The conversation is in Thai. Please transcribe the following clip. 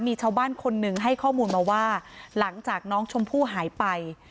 มีชาวบ้านคนหนึ่งให้ข้อมูลมาว่าหลังจากน้องชมพู่หายไป